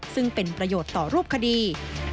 ซึ่งเป็นประโยชน์ต่อรูปคดี